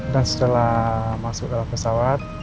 dan setelah masuk dalam pesawat